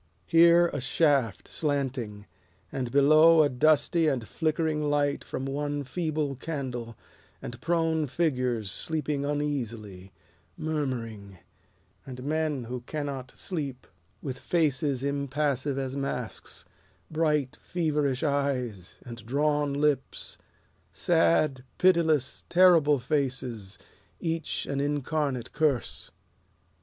Here a shaft, slanting, and below A dusty and flickering light from one feeble candle And prone figures sleeping uneasily, Murmuring, And men who cannot sleep, With faces impassive as masks, Bright, feverish eyes, and drawn lips, Sad, pitiless, terrible faces, Each an incarnate curse.